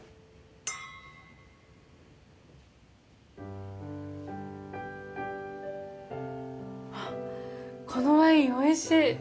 カンあっこのワインおいしい。